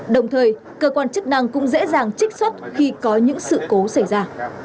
đồng thời cơ quan chức năng cũng dễ dàng trích xuất khi có những sự cố xảy ra